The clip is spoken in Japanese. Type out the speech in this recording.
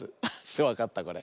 わかったこれ？